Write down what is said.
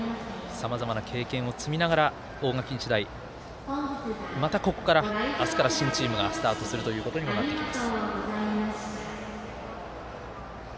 さまざまな経験を積みながら大垣日大またここから明日から新チームがスタートするということにもなってきます。